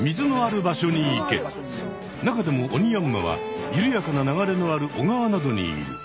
中でもオニヤンマはゆるやかな流れのある小川などにいる。